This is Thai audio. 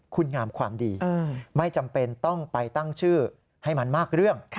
คุณงามความดีไม่จำเป็นต้องไปตั้งชื่อให้มันมากเรื่อง